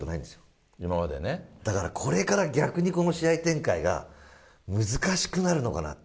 だからこれから逆にこの試合展開が難しくなるのかなって。